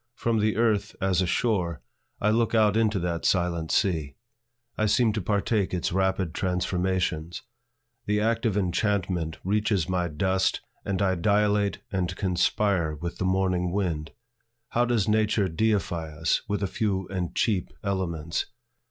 From the earth, as a shore, I look out into that silent sea. I seem to partake its rapid transformations: the active enchantment reaches my dust, and I dilate and conspire with the morning wind. How does Nature deify us with a few and cheap elements!